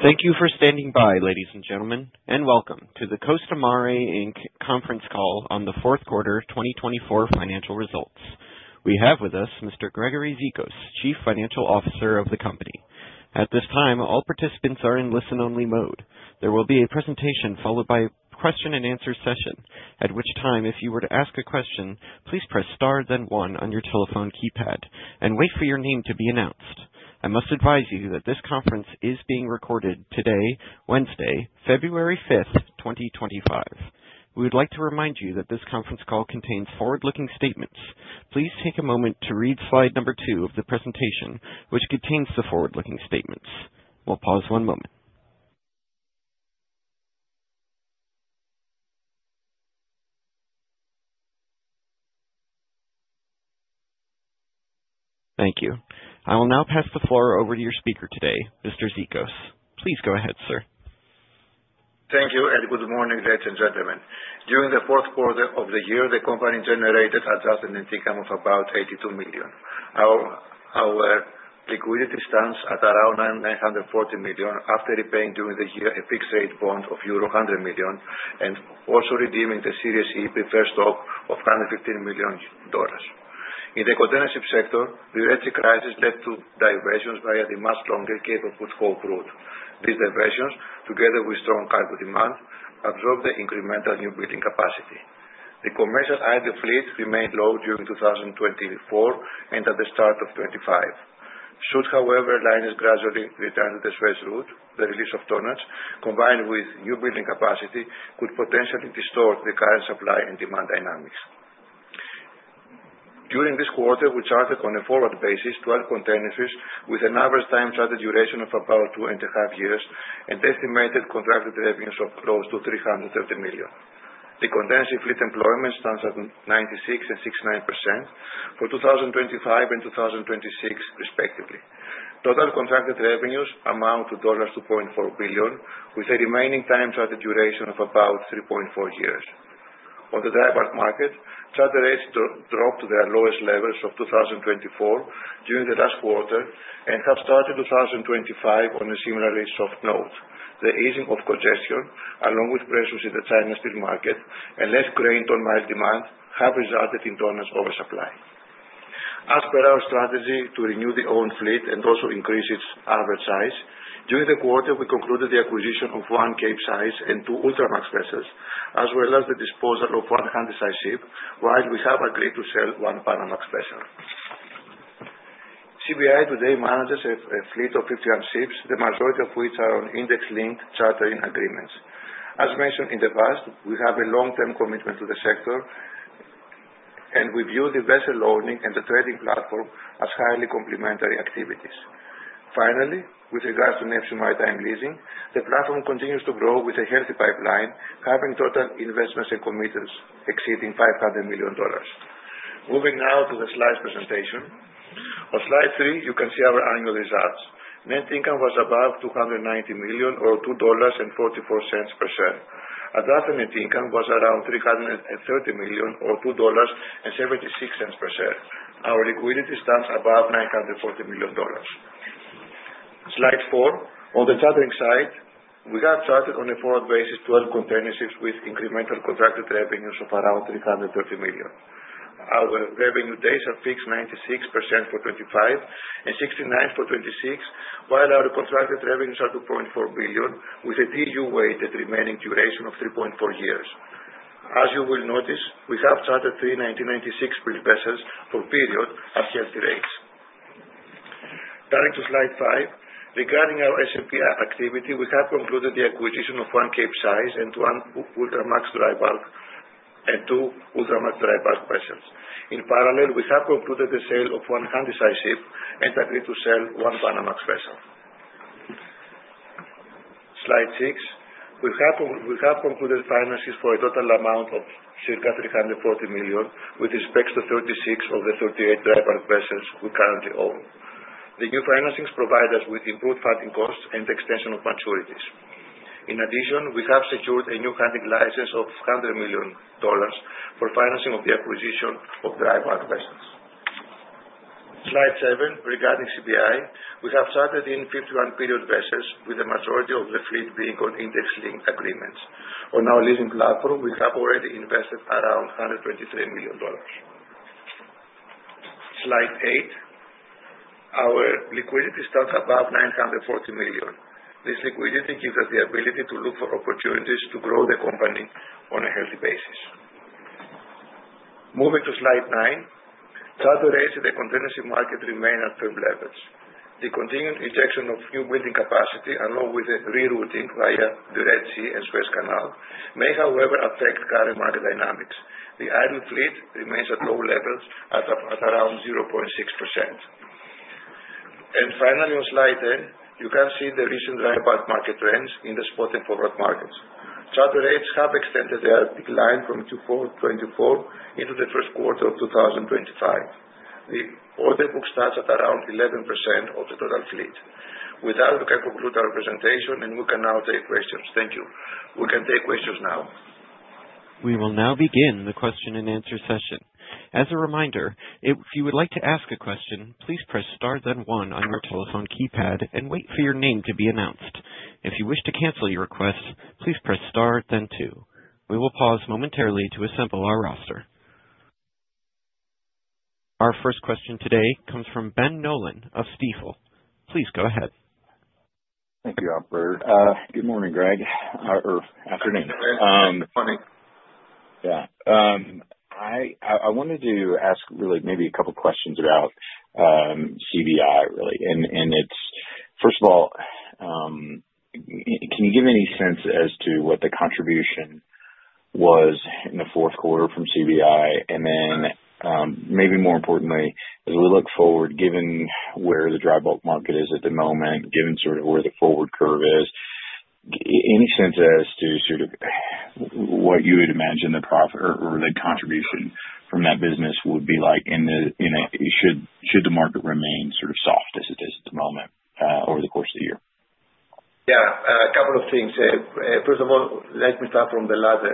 Thank you for standing by, ladies and gentlemen, and welcome to the Costamare Inc Conference Call on the fourth quarter 2024 financial results. We have with us Mr. Gregory Zikos, Chief Financial Officer of the company. At this time, all participants are in listen-only mode. There will be a presentation followed by a question-and-answer session, at which time, if you were to ask a question, please press star then one on your telephone keypad and wait for your name to be announced. I must advise you that this conference is being recorded today, Wednesday, February 5th, 2025. We would like to remind you that this conference call contains forward-looking statements. Please take a moment to read slide number two of the presentation, which contains the forward-looking statements. We'll pause one moment. Thank you. I will now pass the floor over to your speaker today, Mr. Zikos. Please go ahead, sir. Thank you and good morning, ladies and gentlemen. During the fourth quarter of the year, the company generated adjusted income of about $82 million. Our liquidity stands at around $940 million after repaying during the year a fixed-rate bond of $100 million and also redeeming the Series E Preferred Stock of $115 million. In the containership sector, the Red Sea crisis led to diversions via the much longer Cape of Good Hope route. These diversions, together with strong cargo demand, absorbed the incremental newbuilding capacity. The commercial idle fleet remained low during 2024 and at the start of 2025. Should, however, lines gradually return to the Suez route, the release of tonnage combined with newbuilding capacity could potentially distort the current supply and demand dynamics. During this quarter, we chartered on a forward basis 12 containerships with an average time chartered duration of about two and a half years and estimated contracted revenues of close to $330 million. The containership fleet employment stands at 96% and 69% for 2025 and 2026, respectively. Total contracted revenues amount to $2.4 billion, with a remaining time chartered duration of about 3.4 years. On the dry bulk market, chartered rates dropped to their lowest levels of 2024 during the last quarter and have started 2025 on a similar rate soft note. The easing of congestion, along with pressures in the China steel market and less grain ton-mile demand, have resulted in tonnage oversupply. As per our strategy to renew the owned fleet and also increase its average size, during the quarter, we concluded the acquisition of one Capesize and two Ultramax vessels, as well as the disposal of one Handysize ship, while we have agreed to sell one Panamax vessel. CBI today manages a fleet of 51 ships, the majority of which are on index-linked chartering agreements. As mentioned in the past, we have a long-term commitment to the sector, and we view the vessel owning and the trading platform as highly complementary activities. Finally, with regards to Neptune Maritime Leasing, the platform continues to grow with a healthy pipeline, having total investments and commitments exceeding $500 million. Moving now to the slide presentation. On slide three, you can see our annual results. Net income was above $290 million or $2.44 per share. Adjusted net income was around $330 million or $2.76 per share. Our liquidity stands above $940 million. Slide four. On the chartering side, we have chartered on a forward basis 12 containerships with incremental contracted revenues of around $330 million. Our revenue days are fixed 96% for 2025 and 69% for 2026, while our contracted revenues are $2.4 billion, with a TEU-weighted remaining duration of 3.4 years. As you will notice, we have chartered three 1996-built vessels for a period at healthy rates. Turning to slide five, regarding our S&P activity, we have concluded the acquisition of one Capesize and one Ultramax dry bulk and two Ultramax dry bulk vessels. In parallel, we have concluded the sale of one Handysize ship and agreed to sell one Panamax vessel. Slide six. We have concluded finances for a total amount of circa $340 million, with respect to 36 of the 38 dry bulk vessels we currently own. The new financings provide us with improved funding costs and extension of maturities. In addition, we have secured a new hunting license of $100 million for financing of the acquisition of dry bulk vessels. Slide 7. Regarding CBI, we have chartered in 51 period vessels, with the majority of the fleet being on index-linked agreements. On our leasing platform, we have already invested around $123 million. Slide 8. Our liquidity stands above $940 million. This liquidity gives us the ability to look for opportunities to grow the company on a healthy basis. Moving to Slide 9, charter rates in the container market remain at firm levels. The continued injection of new building capacity, along with the rerouting via the Red Sea and Suez Canal, may, however, affect current market dynamics. The idle fleet remains at low levels at around 0.6%. And finally, on slide 10, you can see the recent dry bulk market trends in the spot and forward markets. Charter rates have extended their decline from 24 into the first quarter of 2025. The order book starts at around 11% of the total fleet. With that, we can conclude our presentation, and we can now take questions. Thank you. We can take questions now. We will now begin the question and answer session. As a reminder, if you would like to ask a question, please press star then one on your telephone keypad and wait for your name to be announced. If you wish to cancel your request, please press star then two. We will pause momentarily to assemble our roster. Our first question today comes from Ben Nolan of Stifel. Please go ahead. Thank you, Albert. Good morning, Greg, or afternoon. Good morning. Yeah. I wanted to ask really maybe a couple of questions about CBI, really. And first of all, can you give any sense as to what the contribution was in the fourth quarter from CBI? And then maybe more importantly, as we look forward, given where the dry bulk market is at the moment, given sort of where the forward curve is, any sense as to sort of what you would imagine the profit or the contribution from that business would be like should the market remain sort of soft as it is at the moment over the course of the year? Yeah, a couple of things. First of all, let me start from the latter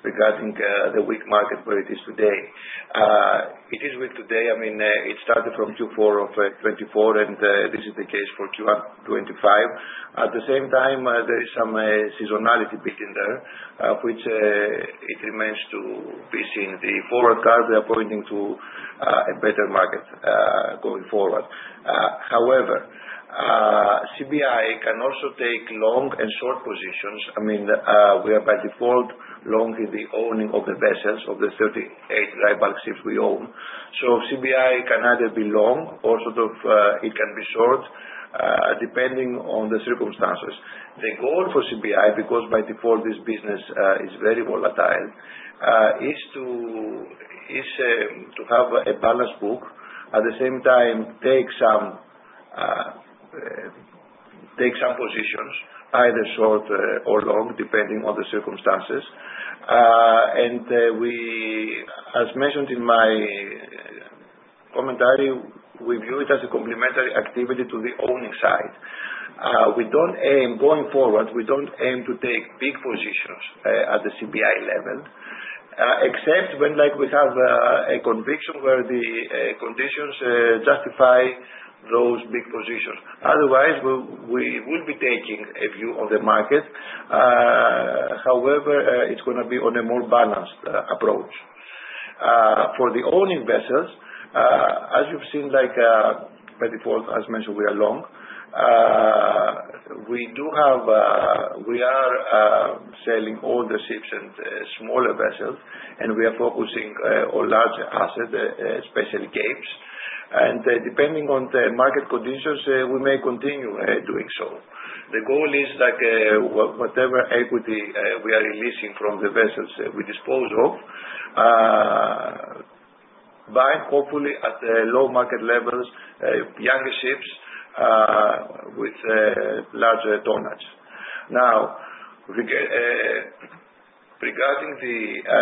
regarding the weak market where it is today. It is weak today. I mean, it started from Q4 of 2024, and this is the case for Q1 2025. At the same time, there is some seasonality bit in there, which it remains to be seen. The forward curves are pointing to a better market going forward. However, CBI can also take long and short positions. I mean, we are by default long in the owning of the vessels of the 38 dry bulk ships we own. So CBI can either be long or sort of it can be short depending on the circumstances. The goal for CBI, because by default this business is very volatile, is to have a balanced book, at the same time take some positions, either short or long, depending on the circumstances. We, as mentioned in my commentary, view it as a complementary activity to the owning side. We don't aim going forward to take big positions at the CBI level, except when we have a conviction where the conditions justify those big positions. Otherwise, we will be taking a view of the market. However, it's going to be on a more balanced approach. For the owning vessels, as you've seen, by default, as mentioned, we are long. We are selling older ships and smaller vessels, and we are focusing on large assets, especially Capesize. Depending on the market conditions, we may continue doing so. The goal is whatever equity we are releasing from the vessels we dispose of, buying hopefully at low market levels, younger ships with larger tonnage. Now, regarding the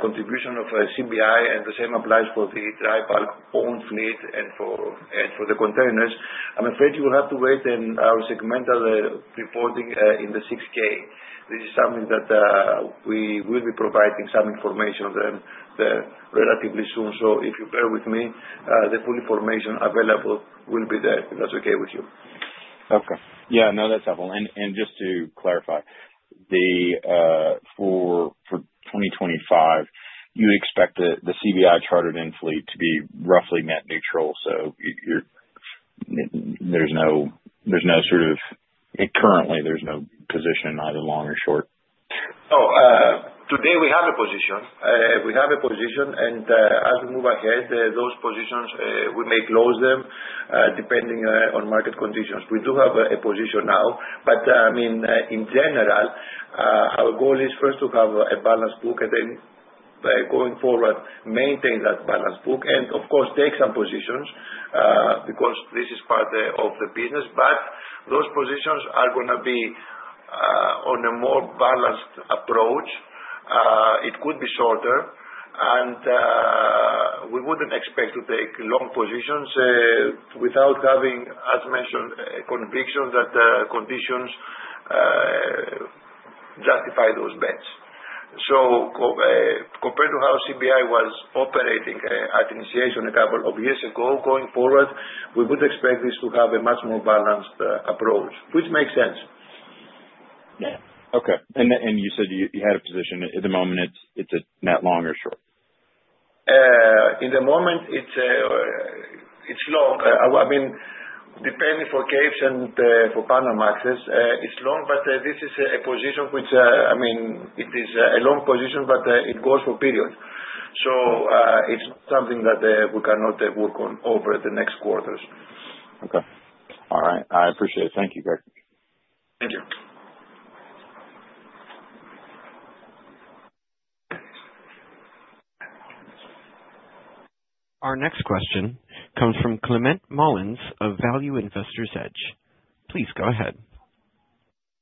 contribution of CBI, and the same applies for the dry bulk owned fleet and for the containerships, I'm afraid you will have to wait on our segmental reporting in the 6-K. This is something that we will be providing some information on them relatively soon. So if you bear with me, the full information available will be there if that's okay with you. Okay. Yeah, no, that's helpful. And just to clarify, for 2025, you expect the CBI chartered-in fleet to be roughly net neutral, so there's no sort of current position either long or short? Oh, today we have a position. We have a position, and as we move ahead, those positions we may close them depending on market conditions. We do have a position now, but I mean, in general, our goal is first to have a balanced book and then going forward maintain that balanced book and, of course, take some positions because this is part of the business. But those positions are going to be on a more balanced approach. It could be shorter, and we wouldn't expect to take long positions without having, as mentioned, a conviction that conditions justify those bets. So compared to how CBI was operating at initiation a couple of years ago, going forward, we would expect this to have a much more balanced approach, which makes sense. Okay. And you said you had a position. At the moment, it's net long or short? In the moment, it's long. I mean, depending for Capes and for Panamaxes, it's long, but this is a position which, I mean, it is a long position, but it goes for periods. So it's not something that we cannot work on over the next quarters. Okay. All right. I appreciate it. Thank you, Greg. Thank you. Our next question comes from Climent Molins of Value Investor's Edge. Please go ahead.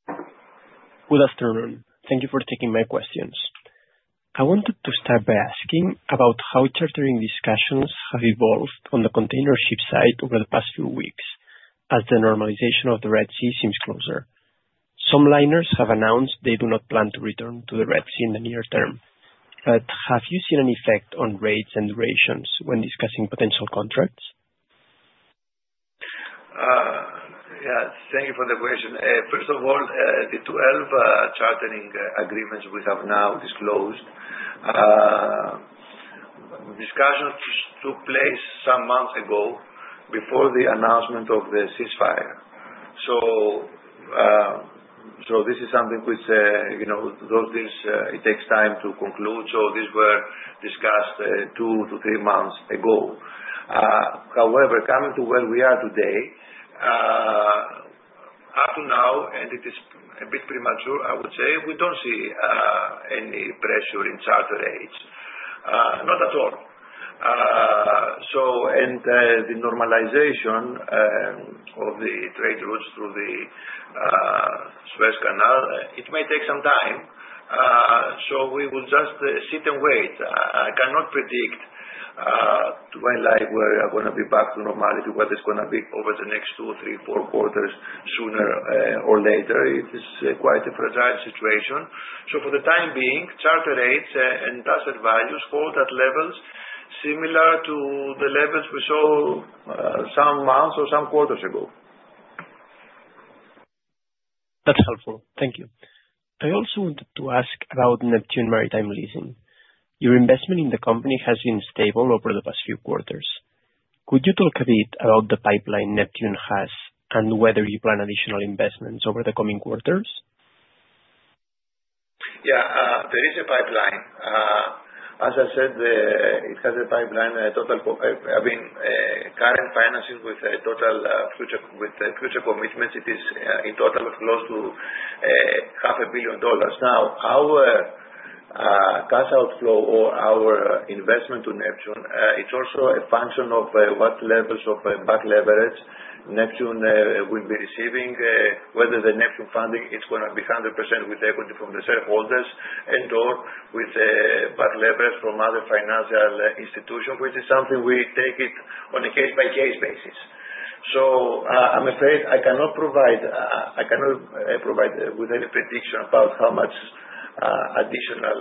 Good afternoon. Thank you for taking my questions. I wanted to start by asking about how chartering discussions have evolved on the container ship side over the past few weeks as the normalization of the Red Sea seems closer. Some liners have announced they do not plan to return to the Red Sea in the near term, but have you seen an effect on rates and durations when discussing potential contracts? Yeah, thank you for the question. First of all, the 12 chartering agreements we have now disclosed. Discussions took place some months ago before the announcement of the ceasefire. So this is something which those deals, it takes time to conclude. So these were discussed two to three months ago. However, coming to where we are today, up to now, and it is a bit premature, I would say, we don't see any pressure in charter rates. Not at all. And the normalization of the trade routes through the Suez Canal, it may take some time. So we will just sit and wait. I cannot predict when we're going to be back to normality, what it's going to be over the next two, three, four quarters, sooner or later. It is quite a fragile situation. For the time being, charter rates and asset values hold at levels similar to the levels we saw some months or some quarters ago. That's helpful. Thank you. I also wanted to ask about Neptune Maritime Leasing. Your investment in the company has been stable over the past few quarters. Could you talk a bit about the pipeline Neptune has and whether you plan additional investments over the coming quarters? Yeah, there is a pipeline. As I said, it has a pipeline total, I mean, current financings with total future commitments, it is in total close to $500 million. Now, our cash outflow or our investment to Neptune, it's also a function of what levels of back leverage Neptune will be receiving, whether the Neptune funding is going to be 100% with equity from the shareholders and/or with back leverage from other financial institutions, which is something we take on a case-by-case basis. So I'm afraid I cannot provide with any prediction about how much additional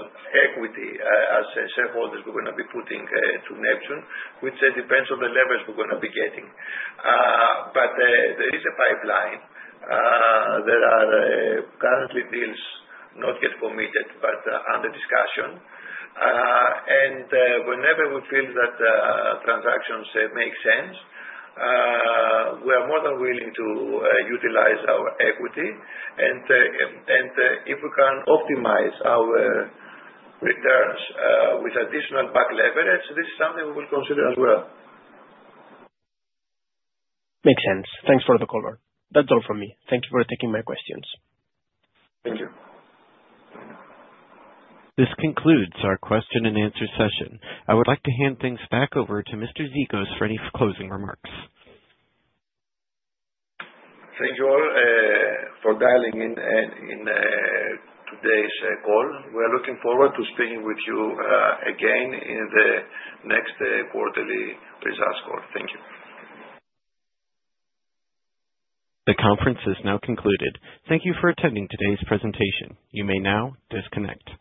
equity as shareholders we're going to be putting to Neptune, which depends on the leverage we're going to be getting. But there is a pipeline. There are currently deals not yet committed, but under discussion. And whenever we feel that transactions make sense, we are more than willing to utilize our equity. If we can optimize our returns with additional back leverage, this is something we will consider as well. Makes sense. Thanks for the call. That's all from me. Thank you for taking my questions. Thank you. This concludes our question and answer session. I would like to hand things back over to Mr. Zikos for any closing remarks. Thank you all for dialing in today's call. We are looking forward to speaking with you again in the next quarterly results call. Thank you. The conference has now concluded. Thank you for attending today's presentation. You may now disconnect.